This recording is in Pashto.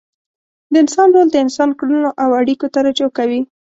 د انسان رول د انسان کړنو او اړیکو ته رجوع کوي.